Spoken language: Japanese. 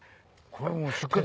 これ。